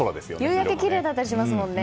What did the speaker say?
夕焼けきれいだったりしますもんね。